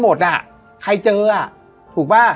หนีกระเจอกันหมด